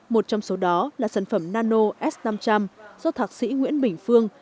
một trong số đó là sản phẩm nano s năm trăm linh do thạc sĩ nguyễn bình phương